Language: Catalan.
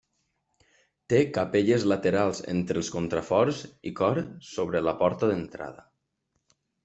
Té capelles laterals entre els contraforts i cor sobre la porta d'entrada.